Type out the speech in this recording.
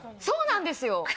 そうなんですよ！